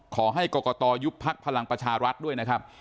ขอให้กรกตยุบพักพลังประชารัฐด้วยนะครับ